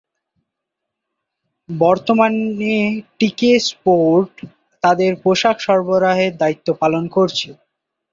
বর্তমানে TK Sport তাদের পোশাক সরবরাহের দায়িত্ব পালন করছে।